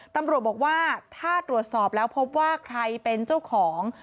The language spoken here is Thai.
ตำรวจบอกว่าถ้าตรวจสอบแล้วพบว่าใครเป็นเจ้าของ